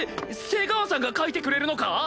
瀬川さんが書いてくれるのか！？